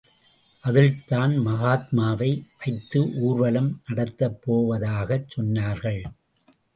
அதில்தான் மகாத்மாவை வைத்து ஊர்வலம் நடத்தப்போவதாகச் சொன்னார்கள்.